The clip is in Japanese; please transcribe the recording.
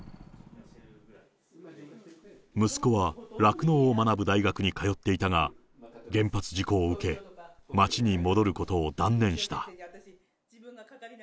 息子は、酪農を学ぶ大学に通っていたが、原発事故を受け、町に戻ることを断念した。